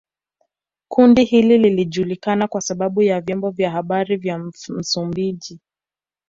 kundi hili lilijulikana kwa sababu ya vyombo vya habari vya Msumbiji